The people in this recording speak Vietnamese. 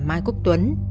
mai quốc tuấn